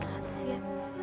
sama sama sih ya